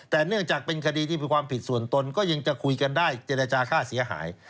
แต่เนื่องจากเป็นคดีที่มีความผิดส่วนตนก็ยังจะคุยกันได้เจรจาค่าเสียหาย